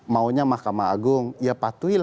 maunya mahkamah agung ya patuhi